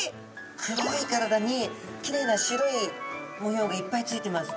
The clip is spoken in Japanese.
黒い体にきれいな白い模様がいっぱいついてます。